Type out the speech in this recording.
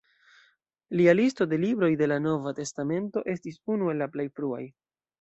Lia listo de libroj de la Nova testamento estis unu el la plej fruaj.